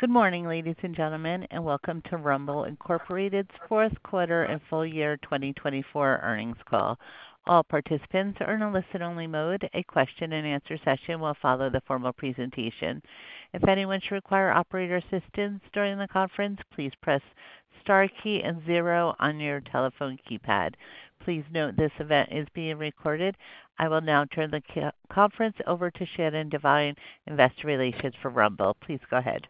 Good morning, ladies and gentlemen, and welcome to Rumble's Fourth Quarter and full year 2024 earnings call. All participants are in a listen-only mode. A question-and-answer session will follow the formal presentation. If anyone should require operator assistance during the conference, please press the star key and zero on your telephone keypad. Please note this event is being recorded. I will now turn the conference over to Shannon Devine, Investor Relations for Rumble. Please go ahead.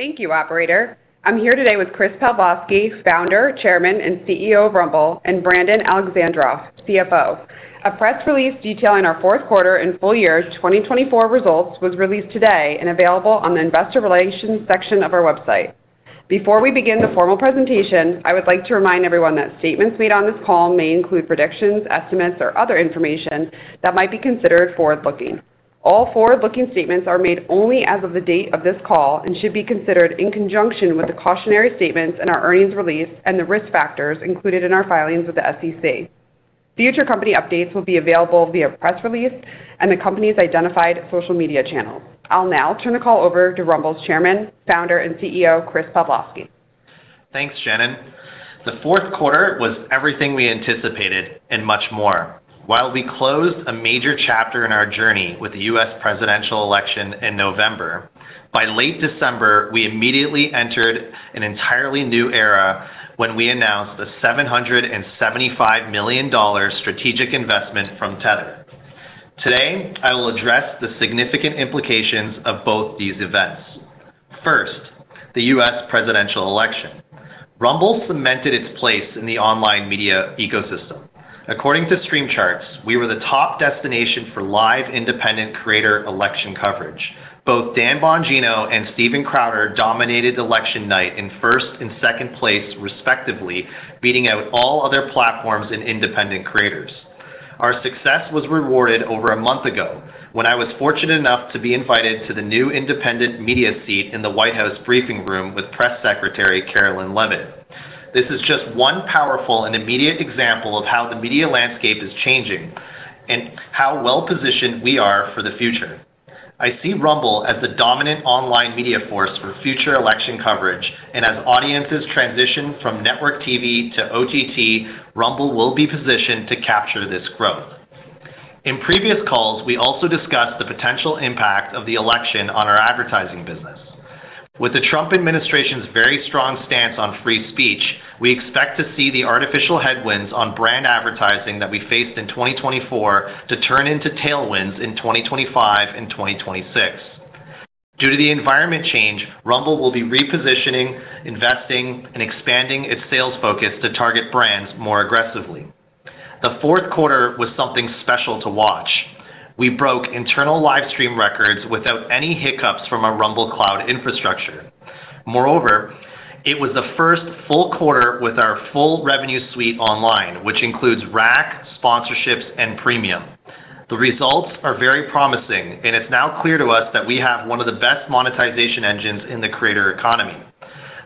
Thank you, Operator. I'm here today with Chris Pavlovski, Founder, Chairman, and CEO of Rumble, and Brandon Alexandroff, CFO. A press release detailing our fourth quarter and full year 2024 results was released today and available on the Investor Relations section of our website. Before we begin the formal presentation, I would like to remind everyone that statements made on this call may include predictions, estimates, or other information that might be considered forward-looking. All forward-looking statements are made only as of the date of this call and should be considered in conjunction with the cautionary statements in our earnings release and the risk factors included in our filings with the SEC. Future company updates will be available via press release and the company's identified social media channels. I'll now turn the call over to Rumble's Chairman, Founder, and CEO, Chris Pavlovski. Thanks, Shannon. The fourth quarter was everything we anticipated and much more. While we closed a major chapter in our journey with the U.S. presidential election in November, by late December, we immediately entered an entirely new era when we announced the $775 million strategic investment from Tether. Today, I will address the significant implications of both these events. First, the U.S. presidential election. Rumble cemented its place in the online media ecosystem. According to Streams Charts, we were the top destination for live independent creator election coverage. Both Dan Bongino and Steven Crowder dominated election night in first and second place, respectively, beating out all other platforms and independent creators. Our success was rewarded over a month ago when I was fortunate enough to be invited to the new independent media seat in the White House briefing room with Press Secretary Karoline Leavitt. This is just one powerful and immediate example of how the media landscape is changing and how well-positioned we are for the future. I see Rumble as the dominant online media force for future election coverage, and as audiences transition from network TV to OTT, Rumble will be positioned to capture this growth. In previous calls, we also discussed the potential impact of the election on our advertising business. With the Trump administration's very strong stance on free speech, we expect to see the artificial headwinds on brand advertising that we faced in 2024 to turn into tailwinds in 2025 and 2026. Due to the environment change, Rumble will be repositioning, investing, and expanding its sales focus to target brands more aggressively. The fourth quarter was something special to watch. We broke internal livestream records without any hiccups from our Rumble Cloud infrastructure. Moreover, it was the first full quarter with our full revenue suite online, which includes RAC, Sponsorships, and Premium. The results are very promising, and it's now clear to us that we have one of the best monetization engines in the creator economy.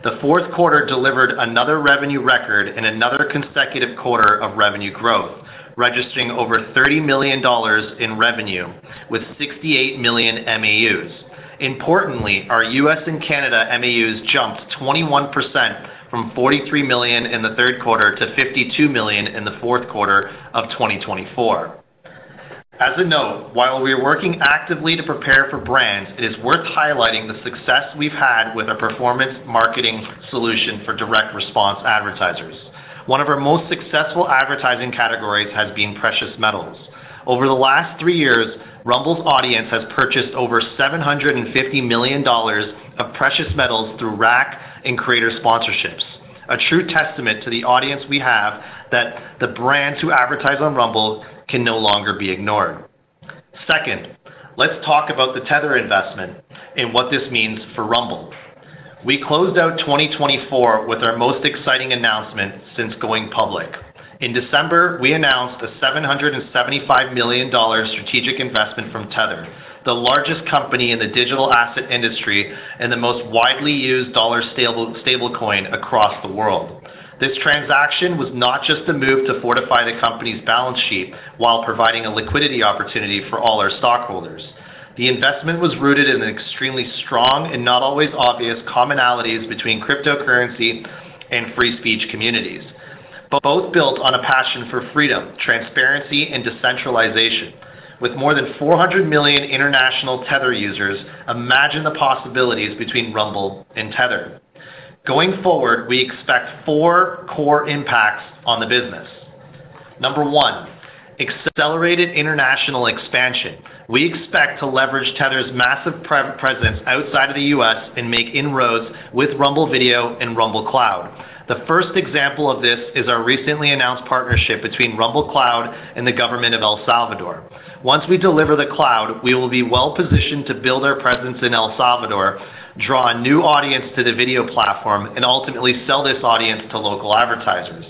The fourth quarter delivered another revenue record in another consecutive quarter of revenue growth, registering over $30 million in revenue with 68 million MAUs. Importantly, our U.S. and Canada MAUs jumped 21% from 43 million in the third quarter to 52 million in the fourth quarter of 2024. As a note, while we are working actively to prepare for brands, it is worth highlighting the success we've had with our performance marketing solution for direct response advertisers. One of our most successful advertising categories has been Precious Metals. Over the last three years, Rumble's audience has purchased over $750 million of Precious Metals through RAC and Creator sponsorships, a true testament to the audience we have that the brands who advertise on Rumble can no longer be ignored. Second, let's talk about the Tether investment and what this means for Rumble. We closed out 2024 with our most exciting announcement since going public. In December, we announced a $775 million strategic investment from Tether, the largest company in the digital asset industry and the most widely used dollar stablecoin across the world. This transaction was not just a move to fortify the company's balance sheet while providing a liquidity opportunity for all our stockholders. The investment was rooted in extremely strong and not always obvious commonalities between cryptocurrency and free speech communities, both built on a passion for freedom, transparency, and decentralization. With more than 400 million international Tether users, imagine the possibilities between Rumble and Tether. Going forward, we expect four core impacts on the business. Number one, accelerated international expansion. We expect to leverage Tether's massive presence outside of the U.S. and make inroads with Rumble Video and Rumble Cloud. The first example of this is our recently announced partnership between Rumble Cloud and the government of El Salvador. Once we deliver the cloud, we will be well-positioned to build our presence in El Salvador, draw a new audience to the video platform, and ultimately sell this audience to local advertisers.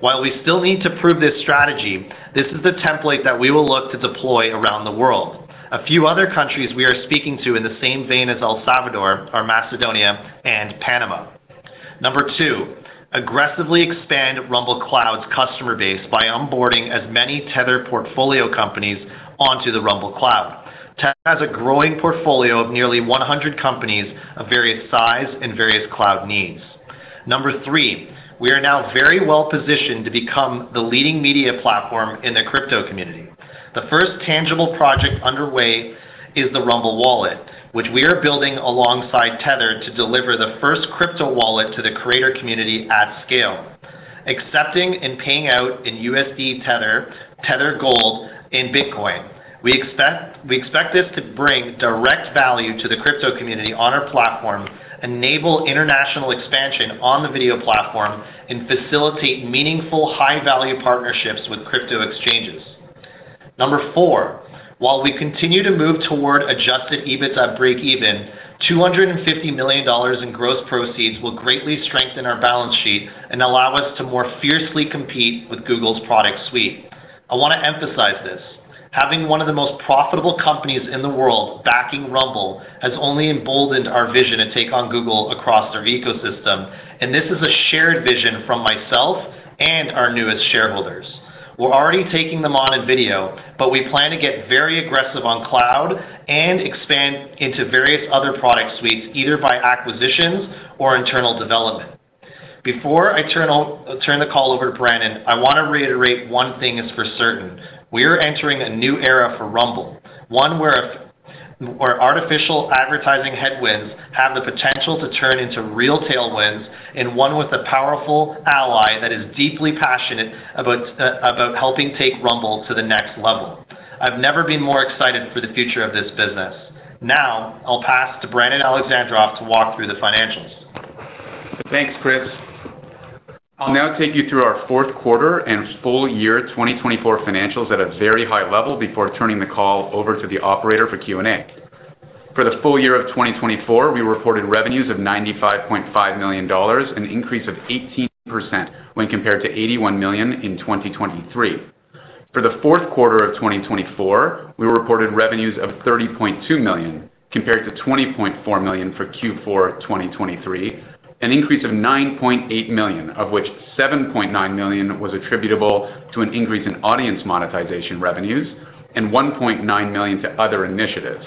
While we still need to prove this strategy, this is the template that we will look to deploy around the world. A few other countries we are speaking to in the same vein as El Salvador are Macedonia and Panama. Number two, aggressively expand Rumble Cloud's customer base by onboarding as many Tether portfolio companies onto the Rumble Cloud. Tether has a growing portfolio of nearly 100 companies of various sizes and various cloud needs. Number three, we are now very well-positioned to become the leading media platform in the crypto community. The first tangible project underway is the Rumble Wallet, which we are building alongside Tether to deliver the first crypto wallet to the creator community at scale, accepting and paying out in USD Tether, Tether Gold, and Bitcoin. We expect this to bring direct value to the crypto community on our platform, enable international expansion on the video platform, and facilitate meaningful high-value partnerships with crypto exchanges. Number four, while we continue to move toward adjusted EBITDA break-even, $250 million in gross proceeds will greatly strengthen our balance sheet and allow us to more fiercely compete with Google's product suite. I want to emphasize this: having one of the most profitable companies in the world backing Rumble has only emboldened our vision to take on Google across their ecosystem, and this is a shared vision from myself and our newest shareholders. We're already taking them on in video, but we plan to get very aggressive on cloud and expand into various other product suites, either by acquisitions or internal development. Before I turn the call over to Brandon, I want to reiterate one thing is for certain: we are entering a new era for Rumble, one where artificial advertising headwinds have the potential to turn into real tailwinds and one with a powerful ally that is deeply passionate about helping take Rumble to the next level. I've never been more excited for the future of this business. Now, I'll pass to Brandon Alexandroff to walk through the financials. Thanks, Chris. I'll now take you through our fourth quarter and full year 2024 financials at a very high level before turning the call over to the operator for Q&A. For the full year of 2024, we reported revenues of $95.5 million, an increase of 18% when compared to $81 million in 2023. For the fourth quarter of 2024, we reported revenues of $30.2 million, compared to $20.4 million for Q4 2023, an increase of $9.8 million, of which $7.9 million was attributable to an increase in audience monetization revenues and $1.9 million to other initiatives.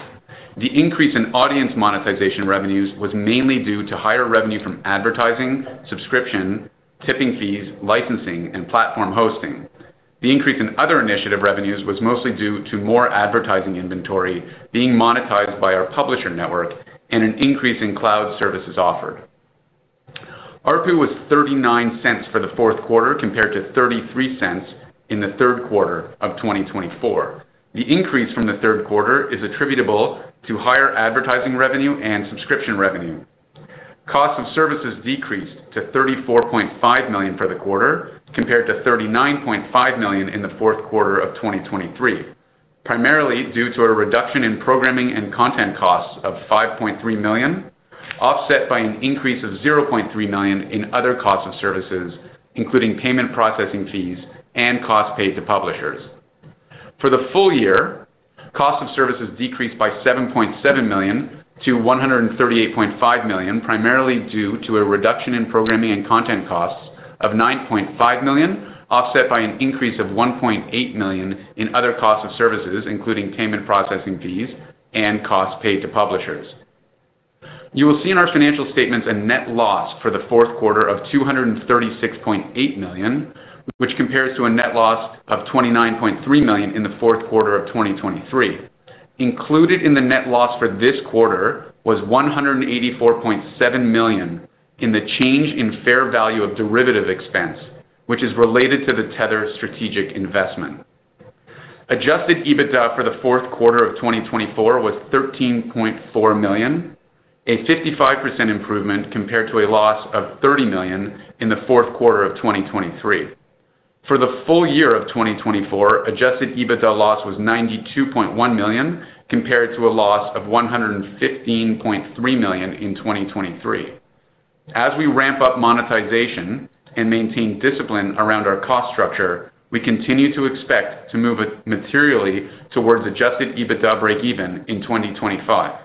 The increase in audience monetization revenues was mainly due to higher revenue from advertising, subscription, tipping fees, licensing, and platform hosting. The increase in other initiative revenues was mostly due to more advertising inventory being monetized by our publisher network and an increase in cloud services offered. ARPU was $0.39 for the fourth quarter compared to $0.33 in the third quarter of 2024. The increase from the third quarter is attributable to higher advertising revenue and subscription revenue. Cost of Services decreased to $34.5 million for the quarter compared to $39.5 million in the fourth quarter of 2023, primarily due to a reduction in programming and content costs of $5.3 million, offset by an increase of $0.3 million in other Cost of Services, including payment processing fees and costs paid to publishers. For the full year, Cost of Services decreased by $7.7 million to $138.5 million, primarily due to a reduction in programming and content costs of $9.5 million, offset by an increase of $1.8 million in other Cost of Services, including payment processing fees and costs paid to publishers. You will see in our financial statements a net loss for the fourth quarter of $236.8 million, which compares to a net loss of $29.3 million in the fourth quarter of 2023. Included in the net loss for this quarter was $184.7 million in the change in fair value of derivative expense, which is related to the Tether strategic investment. Adjusted EBITDA for the fourth quarter of 2024 was $13.4 million, a 55% improvement compared to a loss of $30 million in the fourth quarter of 2023. For the full year of 2024, adjusted EBITDA loss was $92.1 million, compared to a loss of $115.3 million in 2023. As we ramp up monetization and maintain discipline around our cost structure, we continue to expect to move materially towards adjusted EBITDA break-even in 2025.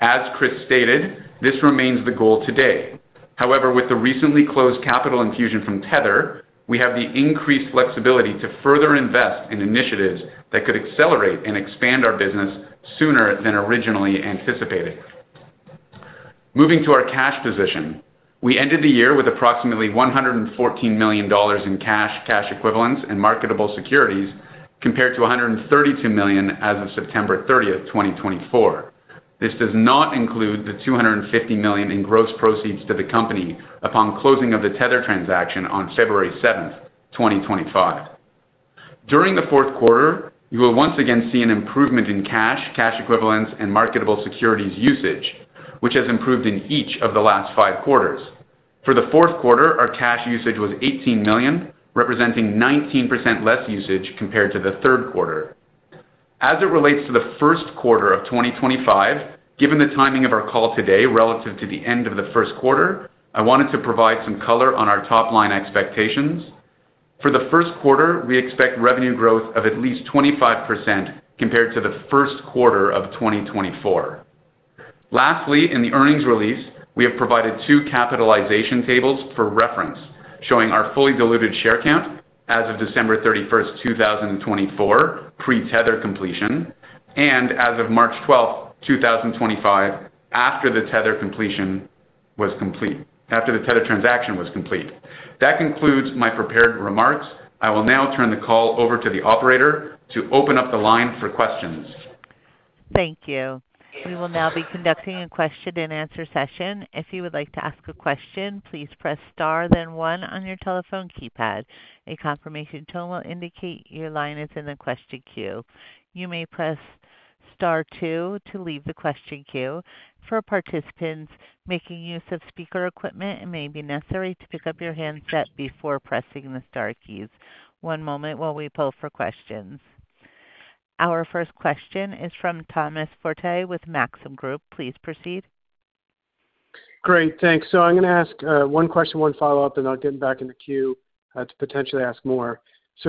As Chris stated, this remains the goal today. However, with the recently closed capital infusion from Tether, we have the increased flexibility to further invest in initiatives that could accelerate and expand our business sooner than originally anticipated. Moving to our cash position, we ended the year with approximately $114 million in cash, cash equivalents, and marketable securities, compared to $132 million as of September 30, 2024. This does not include the $250 million in gross proceeds to the company upon closing of the Tether transaction on February 7, 2025. During the fourth quarter, you will once again see an improvement in cash, cash equivalents, and marketable securities usage, which has improved in each of the last five quarters. For the fourth quarter, our cash usage was $18 million, representing 19% less usage compared to the third quarter. As it relates to the first quarter of 2025, given the timing of our call today relative to the end of the first quarter, I wanted to provide some color on our top-line expectations. For the first quarter, we expect revenue growth of at least 25% compared to the first quarter of 2024. Lastly, in the earnings release, we have provided two capitalization tables for reference, showing our fully diluted share count as of December 31, 2024, pre-Tether completion, and as of March 12, 2025, after the Tether transaction was complete. That concludes my prepared remarks. I will now turn the call over to the operator to open up the line for questions. Thank you. We will now be conducting a question-and-answer session. If you would like to ask a question, please press Star, then one on your telephone keypad. A confirmation tone will indicate your line is in the question queue. You may press Star two to leave the question queue. For participants making use of speaker equipment, it may be necessary to pick up your handset before pressing the Star keys. One moment while we pull for questions. Our first question is from Thomas Forte with Maxim Group. Please proceed. Great. Thanks. I'm going to ask one question, one follow-up, and I'll get them back in the queue to potentially ask more.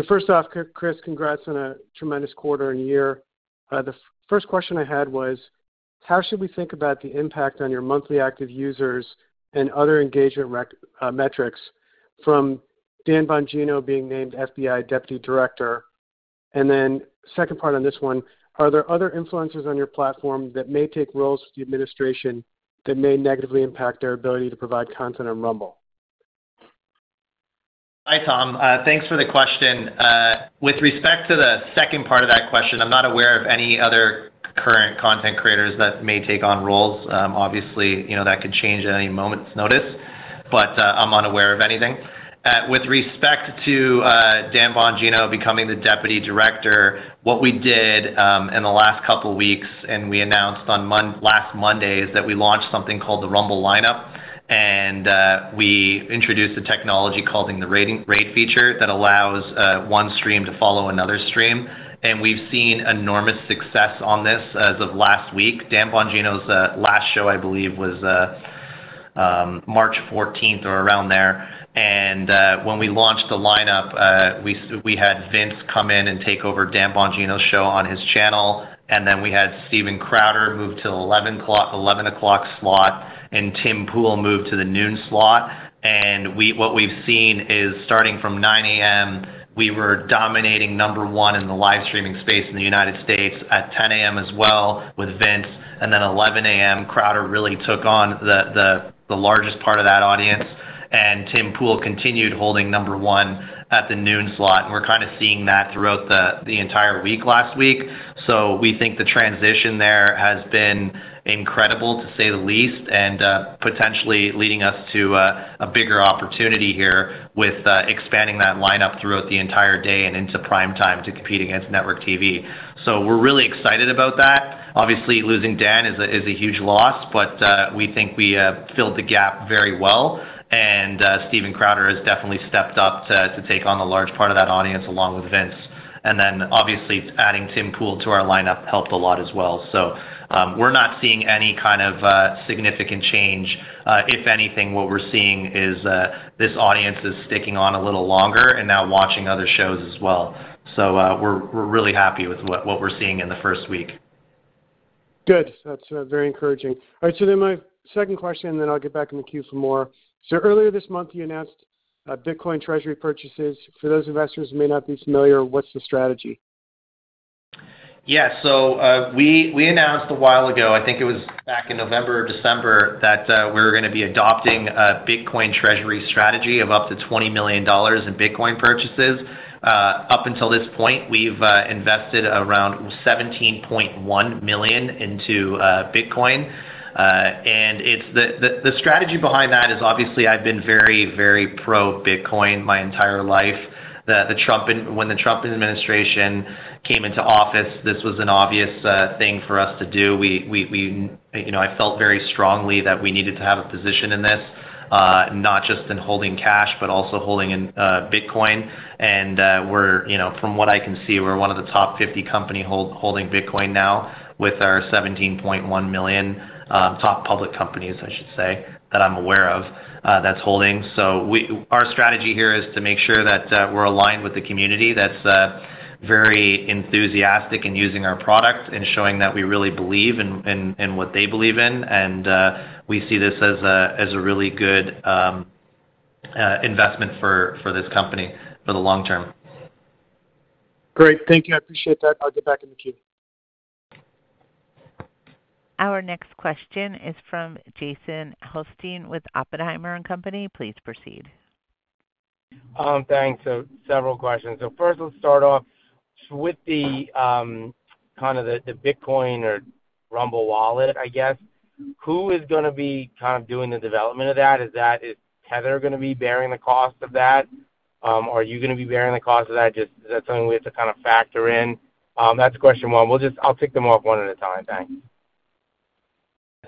First off, Chris, congrats on a tremendous quarter and year. The first question I had was, how should we think about the impact on your monthly active users and other engagement metrics from Dan Bongino being named FBI Deputy Director? Then second part on this one, are there other influencers on your platform that may take roles with the administration that may negatively impact their ability to provide content on Rumble? Hi, Tom. Thanks for the question. With respect to the second part of that question, I'm not aware of any other current content creators that may take on roles. Obviously, that could change at any moment's notice, but I'm unaware of anything. With respect to Dan Bongino becoming the Deputy Director, what we did in the last couple of weeks, and we announced on last Monday, is that we launched something called the Rumble Lineup, and we introduced a technology called the Rate Feature that allows one stream to follow another stream. We've seen enormous success on this as of last week. Dan Bongino's last show, I believe, was March 14 or around there. When we launched the lineup, we had Vince come in and take over Dan Bongino's show on his channel, and then we had Steven Crowder move to the 11:00 A.M. slot, and Tim Pool moved to the noon slot. What we've seen is starting from 9:00 A.M., we were dominating number one in the live streaming space in the United States at 10:00 A.M. as well with Vince, and then 11:00 A.M., Crowder really took on the largest part of that audience, and Tim Pool continued holding number one at the noon slot. We are kind of seeing that throughout the entire week last week. We think the transition there has been incredible, to say the least, and potentially leading us to a bigger opportunity here with expanding that lineup throughout the entire day and into prime time to compete against network TV. We are really excited about that. Obviously, losing Dan is a huge loss, but we think we filled the gap very well, and Steven Crowder has definitely stepped up to take on a large part of that audience along with Vince. Obviously, adding Tim Pool to our lineup helped a lot as well. We are not seeing any kind of significant change. If anything, what we are seeing is this audience is sticking on a little longer and now watching other shows as well. We are really happy with what we are seeing in the first week. Good. That's very encouraging. All right. My second question, and then I'll get back in the queue for more. Earlier this month, you announced Bitcoin treasury purchases. For those investors who may not be familiar, what's the strategy? Yeah. We announced a while ago, I think it was back in November or December, that we were going to be adopting a Bitcoin treasury strategy of up to $20 million in Bitcoin purchases. Up until this point, we've invested around $17.1 million into Bitcoin. The strategy behind that is, obviously, I've been very, very pro-Bitcoin my entire life. When the Trump administration came into office, this was an obvious thing for us to do. I felt very strongly that we needed to have a position in this, not just in holding cash, but also holding in Bitcoin. From what I can see, we're one of the top 50 companies holding Bitcoin now with our $17.1 million, top public companies, I should say, that I'm aware of that's holding. Our strategy here is to make sure that we're aligned with the community that's very enthusiastic in using our product and showing that we really believe in what they believe in. We see this as a really good investment for this company for the long-term. Great. Thank you. I appreciate that. I'll get back in the queue. Our next question is from Jason Helfstein with Oppenheimer & Company. Please proceed. Thanks. Several questions. First, let's start off with kind of the Bitcoin or Rumble Wallet, I guess. Who is going to be kind of doing the development of that? Is Tether going to be bearing the cost of that? Are you going to be bearing the cost of that? Is that something we have to kind of factor in? That's question one. I'll take them off one at a time. Thanks.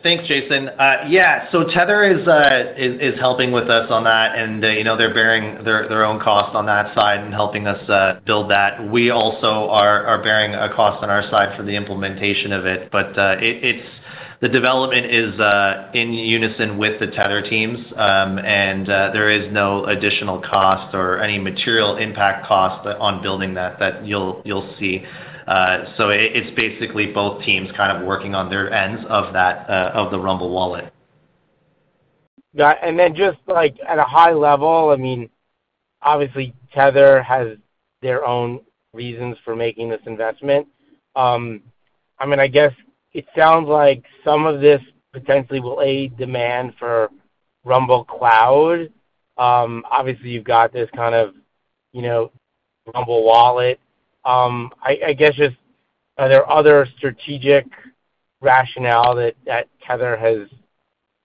Thanks, Jason. Yeah. Tether is helping with us on that, and they're bearing their own cost on that side and helping us build that. We also are bearing a cost on our side for the implementation of it, but the development is in unison with the Tether teams, and there is no additional cost or any material impact cost on building that that you'll see. It's basically both teams kind of working on their ends of the Rumble Wallet. Just at a high level, I mean, obviously, Tether has their own reasons for making this investment. I mean, I guess it sounds like some of this potentially will aid demand for Rumble Cloud. Obviously, you've got this kind of Rumble Wallet. I guess just are there other strategic rationale that Tether has,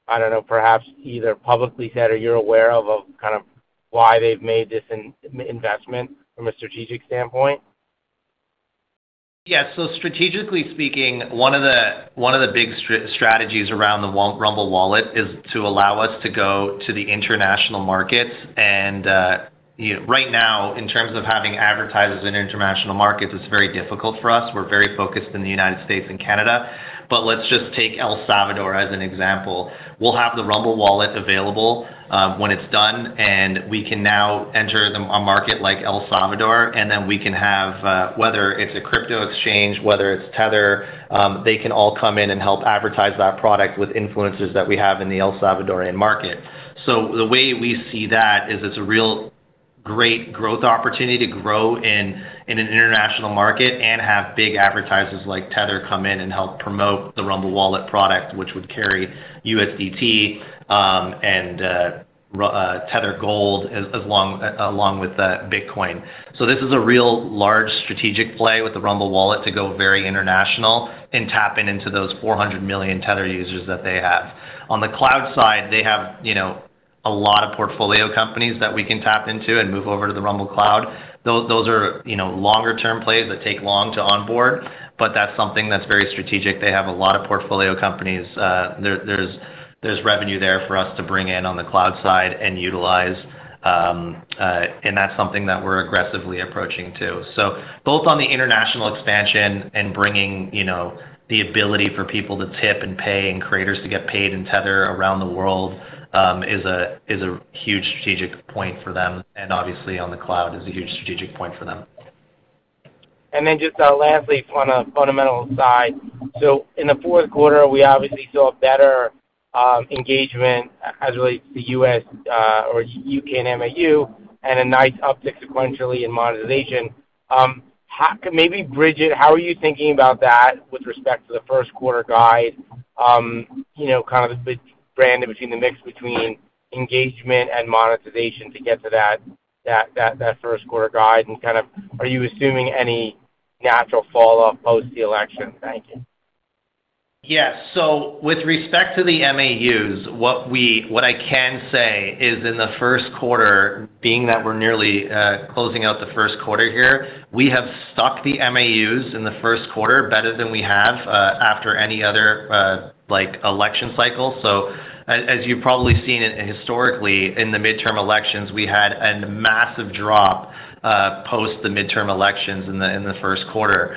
I don't know, perhaps either publicly said or you're aware of, of kind of why they've made this investment from a strategic standpoint? Yeah. Strategically speaking, one of the big strategies around the Rumble Wallet is to allow us to go to the international markets. Right now, in terms of having advertisers in international markets, it's very difficult for us. We're very focused in the United States and Canada. Let's just take El Salvador as an example. We'll have the Rumble Wallet available when it's done, and we can now enter a market like El Salvador, and then we can have, whether it's a crypto exchange, whether it's Tether, they can all come in and help advertise that product with influencers that we have in the El Salvadorian market. The way we see that is it's a real great growth opportunity to grow in an international market and have big advertisers like Tether come in and help promote the Rumble Wallet product, which would carry USDT and Tether Gold along with Bitcoin. This is a real large strategic play with the Rumble Wallet to go very international and tap in into those 400 million Tether users that they have. On the cloud side, they have a lot of portfolio companies that we can tap into and move over to the Rumble Cloud. Those are longer-term plays that take long to onboard, but that's something that's very strategic. They have a lot of portfolio companies. There's revenue there for us to bring in on the cloud side and utilize, and that's something that we're aggressively approaching too. Both on the international expansion and bringing the ability for people to tip and pay and creators to get paid in Tether around the world is a huge strategic point for them. Obviously, on the cloud is a huge strategic point for them. Lastly, on a fundamental side, in the fourth quarter, we obviously saw better engagement as relates to U.S. or U.K. and MAU and a nice uptick sequentially in monetization. Maybe, Bridget, how are you thinking about that with respect to the first quarter guide, kind of the brand between the mix between engagement and monetization to get to that first quarter guide? Are you assuming any natural falloff post the election? Thank you. Yeah. With respect to the MAUs, what I can say is in the first quarter, being that we're nearly closing out the first quarter here, we have stuck the MAUs in the first quarter better than we have after any other election cycle. As you've probably seen historically, in the mid-term elections, we had a massive drop post the midterm elections in the first quarter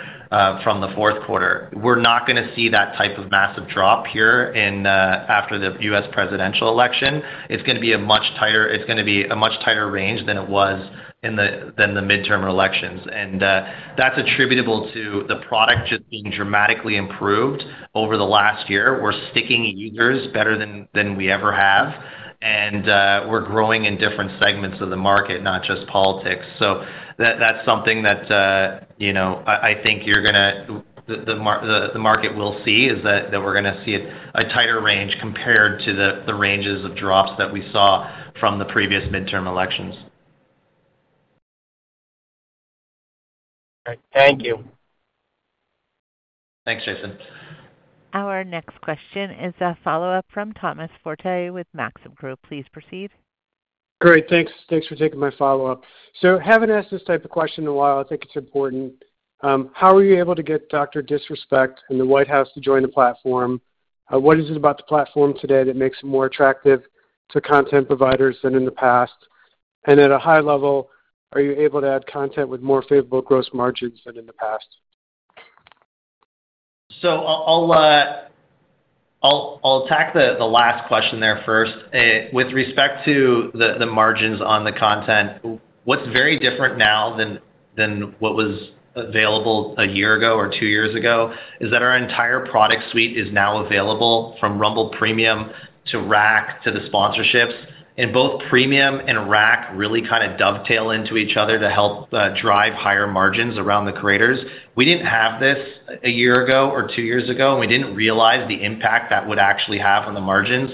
from the fourth quarter. We're not going to see that type of massive drop here after the U.S. presidential election. It's going to be a much tighter range than it was in the mid-term elections. That's attributable to the product just being dramatically improved over the last year. We're sticking users better than we ever have, and we're growing in different segments of the market, not just politics. That's something that I think you're going to see is that we're going to see a tighter range compared to the ranges of drops that we saw from the previous mid-term elections. Thank you. Thanks, Jason. Our next question is a follow-up from Thomas Forte with Maxim Group. Please proceed. Great. Thanks for taking my follow-up. I have not asked this type of question in a while. I think it is important. How were you able to get Dr. DisRespect and the White House to join the platform? What is it about the platform today that makes it more attractive to content providers than in the past? At a high level, are you able to add content with more favorable gross margins than in the past? I'll attack the last question there first. With respect to the margins on the content, what's very different now than what was available a year ago or two years ago is that our entire product suite is now available from Rumble Premium to RAC to the Sponsorships. Both Premium and RAC really kind of dovetail into each other to help drive higher margins around the creators. We didn't have this a year ago or two years ago, and we didn't realize the impact that would actually have on the margins.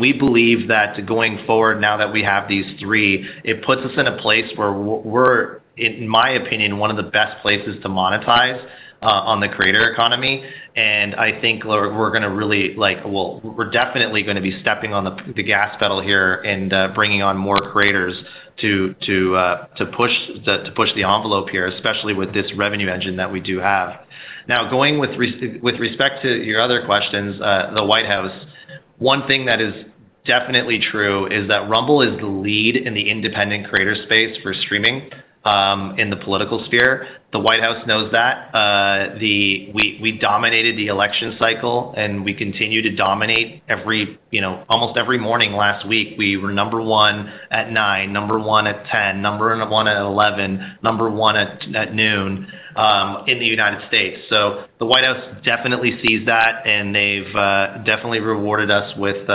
We believe that going forward, now that we have these three, it puts us in a place where we're, in my opinion, one of the best places to monetize on the creator economy. I think we're going to really well, we're definitely going to be stepping on the gas pedal here and bringing on more creators to push the envelope here, especially with this revenue engine that we do have. Now, going with respect to your other questions, the White House, one thing that is definitely true is that Rumble is the lead in the independent creator space for streaming in the political sphere. The White House knows that. We dominated the election cycle, and we continue to dominate almost every morning last week. We were number one at 9:00 A.M., number one at 10:00 A.M., number one at 11:00 A.M., number one at noon in the United States. The White House definitely sees that, and they've definitely rewarded us with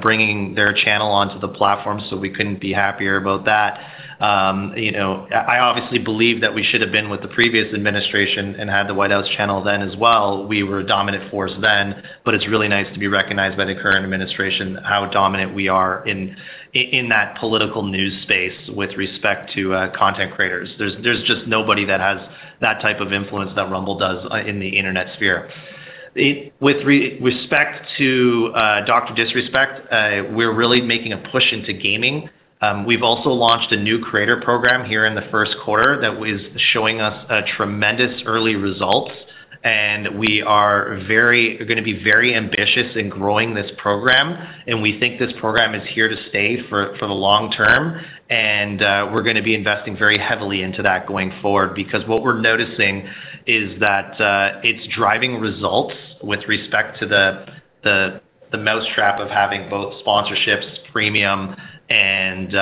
bringing their channel onto the platform, so we couldn't be happier about that. I obviously believe that we should have been with the previous administration and had the White House channel then as well. We were a dominant force then, but it's really nice to be recognized by the current administration how dominant we are in that political news space with respect to content creators. There's just nobody that has that type of influence that Rumble does in the internet sphere. With respect to Dr. DisRespect, we're really making a push into gaming. We've also launched a new creator program here in the first quarter that is showing us tremendous early results, and we are going to be very ambitious in growing this program. We think this program is here to stay for the long-term, and we're going to be investing very heavily into that going forward because what we're noticing is that it's driving results with respect to the mousetrap of having both Sponsorships, Premium, and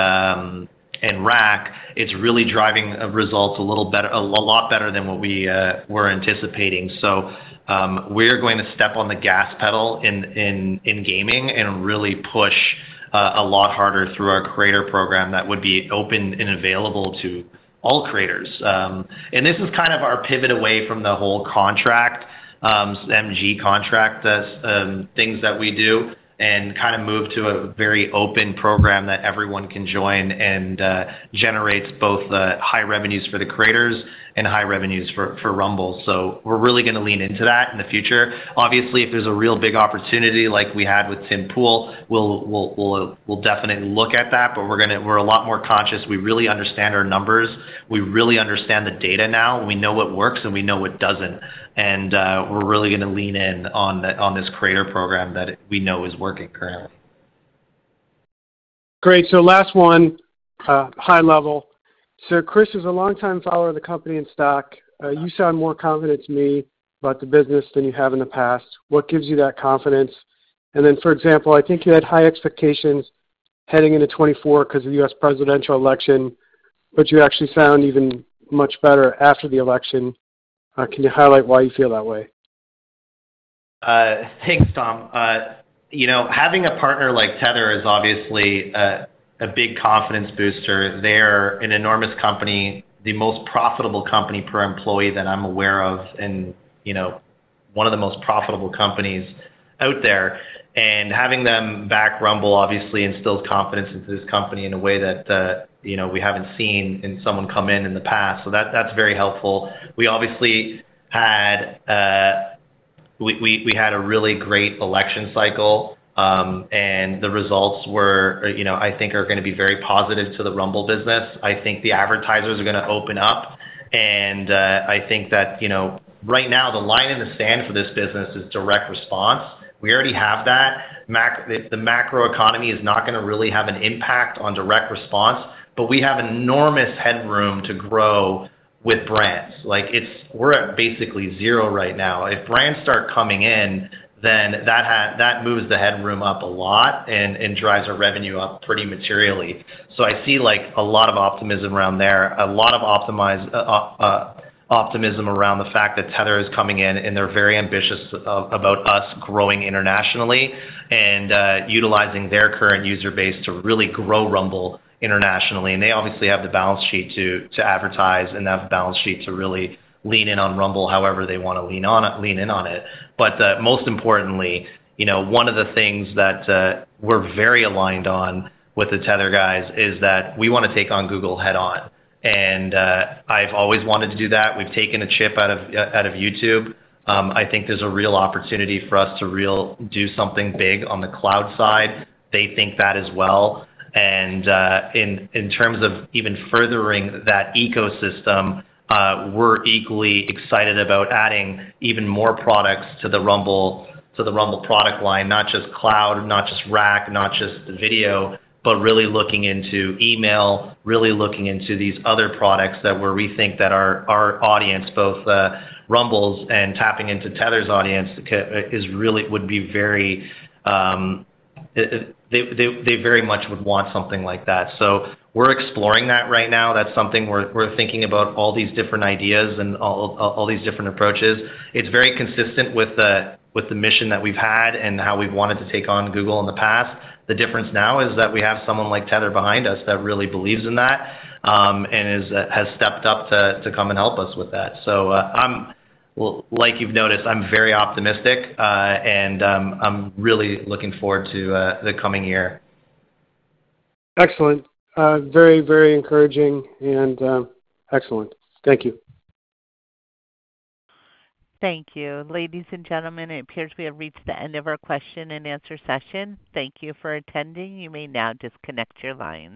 RAC. It's really driving results a lot better than what we were anticipating. We are going to step on the gas pedal in gaming and really push a lot harder through our Creator Program that would be open and available to all creators. This is kind of our pivot away from the whole contract, MG contract, things that we do, and kind of move to a very open program that everyone can join and generates both high revenues for the creators and high revenues for Rumble. We are really going to lean into that in the future. Obviously, if there's a real big opportunity like we had with Tim Pool, we'll definitely look at that, but we're a lot more conscious. We really understand our numbers. We really understand the data now. We know what works, and we know what doesn't. We're really going to lean in on this creator program that we know is working currently. Great. Last one, high level. Chris, as a longtime follower of the company and stock, you sound more confident to me about the business than you have in the past. What gives you that confidence? For example, I think you had high expectations heading into 2024 because of the U.S. presidential election, but you actually sound even much better after the election. Can you highlight why you feel that way? Thanks, Tom. Having a partner like Tether is obviously a big confidence booster. They're an enormous company, the most profitable company per employee that I'm aware of, and one of the most profitable companies out there. Having them back Rumble, obviously, instills confidence into this company in a way that we haven't seen in someone come in in the past. That's very helpful. We obviously had a really great election cycle, and the results I think are going to be very positive to the Rumble business. I think the advertisers are going to open up, and I think that right now, the line in the sand for this business is direct response. We already have that. The macro economy is not going to really have an impact on direct response, but we have enormous headroom to grow with brands. We're at basically zero right now. If brands start coming in, then that moves the headroom up a lot and drives our revenue up pretty materially. I see a lot of optimism around there, a lot of optimism around the fact that Tether is coming in, and they're very ambitious about us growing internationally and utilizing their current user base to really grow Rumble internationally. They obviously have the balance sheet to advertise and have the balance sheet to really lean in on Rumble however they want to lean in on it. Most importantly, one of the things that we're very aligned on with the Tether guys is that we want to take on Google head-on, and I've always wanted to do that. We've taken a chip out of YouTube. I think there's a real opportunity for us to do something big on the cloud side. They think that as well. In terms of even furthering that ecosystem, we're equally excited about adding even more products to the Rumble product line, not just Cloud, not just RAC, not just Video, but really looking into Email, really looking into these other products that we think that our audience, both Rumble's and tapping into Tether's audience, would very much want something like that. We are exploring that right now. That is something we're thinking about, all these different ideas and all these different approaches. It is very consistent with the mission that we've had and how we've wanted to take on Google in the past. The difference now is that we have someone like Tether behind us that really believes in that and has stepped up to come and help us with that. Like you've noticed, I'm very optimistic, and I'm really looking forward to the coming year. Excellent. Very, very encouraging and excellent. Thank you. Thank you. Ladies and gentlemen, it appears we have reached the end of our question and answer session. Thank you for attending. You may now disconnect your lines.